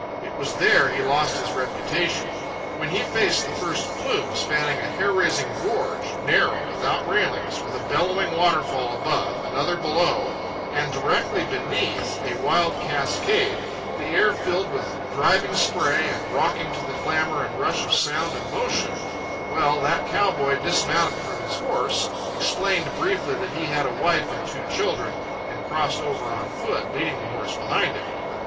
It was there he lost his reputation. When he faced the first flume, spanning a hair raising gorge, narrow, without railings, with a bellowing waterfall above, another below, and directly beneath a wild cascade, the air filled with driving spray and rocking to the clamour and rush of sound and motion—well, that cow boy dismounted from his horse, explained briefly that he had a wife and two children, and crossed over on foot, leading the horse behind him.